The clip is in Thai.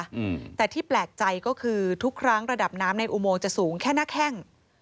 อืมแต่ที่แปลกใจก็คือทุกครั้งระดับน้ำในอุโมงจะสูงแค่หน้าแข้ง